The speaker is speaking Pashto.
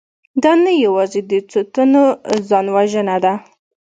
دا نه یوازې د څو تنو ځانوژنه ده